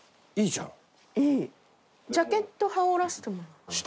ジャケット羽織らせて。